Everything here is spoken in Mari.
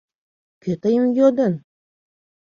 Кӧ тыйым йодын?